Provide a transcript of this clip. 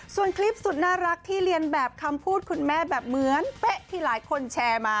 ส่วนคลิปสุดน่ารักที่เรียนแบบคำพูดคุณแม่แบบเหมือนเป๊ะที่หลายคนแชร์มา